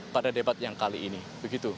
pada debat yang kali ini